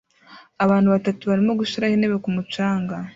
Abantu batatu barimo gushiraho intebe ku mucanga